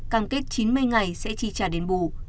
càng kết chín mươi ngày sẽ trì trả đền bù